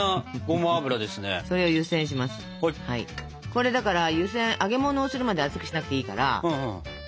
これだから湯せん揚げものをするまで熱くしなくていいから。